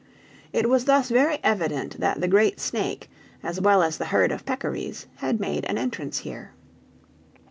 It was thus very evident that the great snake, as well as the herd of peccaries, had made an entrance here.